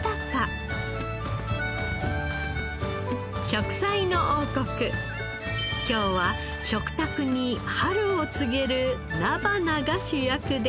『食彩の王国』今日は食卓に春を告げる菜花が主役です。